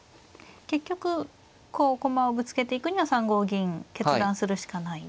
結局駒をぶつけていくには３五銀決断するしかない。